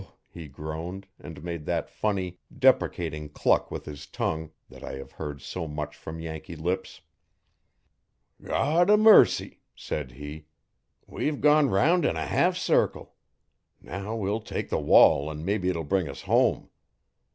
he groaned, and made that funny, deprecating cluck with his tongue, that I have heard so much from Yankee lips. 'God o' mercy!' said he, 'we've gone 'round in a half circle. Now we'll take the wall an' mebbe it'll bring us home.'